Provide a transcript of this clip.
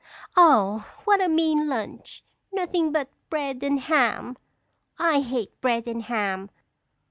_ Oh, what a mean lunch! Nothing but bread and ham. I hate bread and ham!